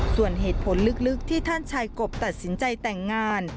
ส่วนเหตุผลลึกที่ท่านชายกบตัดสินใจแต่งงาน